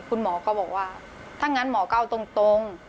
คุณหมอก็บอกว่าถ้างั้นหมอก็เอาตรง